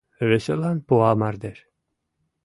Веселан пуа мардеж